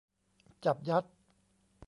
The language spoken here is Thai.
จับยัด